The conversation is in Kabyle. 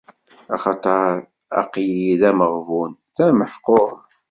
Axaṭer aql-i d ameɣbun, d ameḥqur!